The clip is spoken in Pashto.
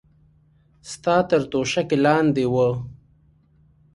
ستا تر توشکې لاندې وه.